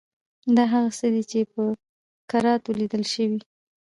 دا هغه څه دي چې په کراتو لیدل شوي.